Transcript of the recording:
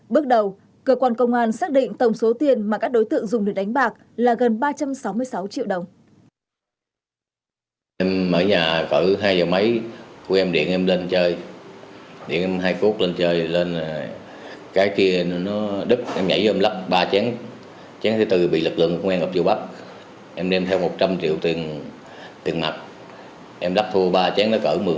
bước đầu cơ quan công an xác định tổng số tiền mà các đối tượng dùng để đánh bạc là gần ba trăm sáu mươi sáu triệu đồng